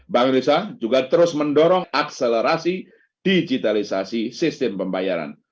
bank indonesia juga terus mendorong akselerasi digitalisasi sistem pembayaran